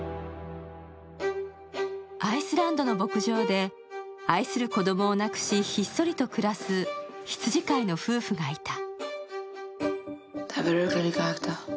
アイスランドの牧場で、愛する子供を亡くし、ひっそりと暮らす羊飼いの夫婦がいた。